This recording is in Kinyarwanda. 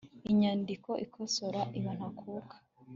inyandiko ikosora iba ntakuka